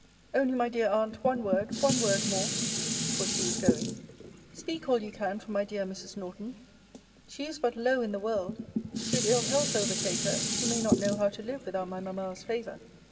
Only, my dear Aunt, one word, one word more (for she was going) Speak all you can for my dear Mrs. Norton. She is but low in the world: should ill health overtake her, she may not know how to live without my mamma's favour.